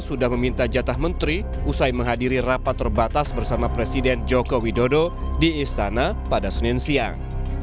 sudah meminta jatah menteri usai menghadiri rapat terbatas bersama presiden joko widodo di istana pada senin siang